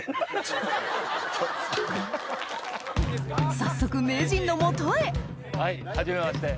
早速名人の元へはじめまして。